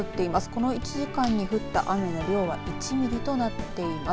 この１時間に降った雨の量は１ミリとなっています。